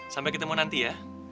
sampai ketemu nanti ya